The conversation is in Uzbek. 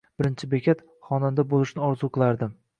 Birinchi bekat: Xonanda bo’lishni orzu qilardim